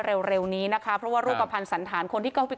เร็วนี้นะคะเพราะว่ารูปภัณฑ์สันธารคนที่เข้าไป